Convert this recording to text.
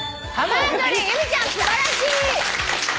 由美ちゃん素晴らしい！